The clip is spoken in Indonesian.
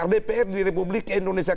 dpr di republik indonesia